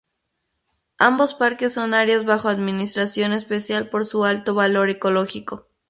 Ambos parques son áreas bajo administración especial por su alto valor ecológico.